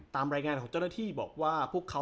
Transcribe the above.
ตามรายงานของเจ้าหน้าที่บอกว่า